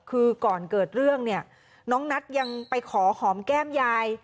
คือก่อนเกิดเรื่องเนี่ยน้องนัทยังไปขอหอมแก้มยาย